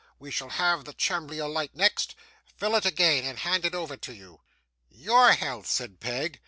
we shall have the chimbley alight next fill it again, and hand it over to you.' 'YOUR health,' said Peg.